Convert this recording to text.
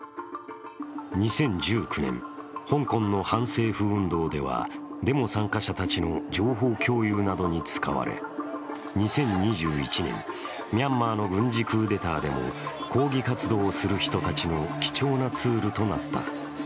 ２０１９年、香港の反政府運動ではデモ参加者たちの情報共有などに使われ、２０２１年、ミャンマーの軍事クーデターでも抗議活動をする人たちの貴重なツールとなった。